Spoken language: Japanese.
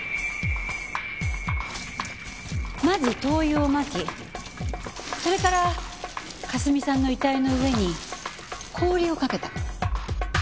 まず灯油をまきそれから佳澄さんの遺体の上に氷をかけた。